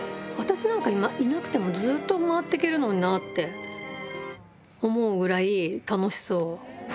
私なんかいなくても、ずーっと回っていけるのになって思うぐらい楽しそう。